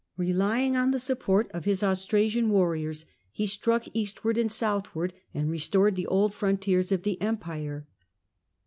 Relying on the support of his Austrasian varriors, he struck eastward and southward, and restored he old frontiers of the Empire.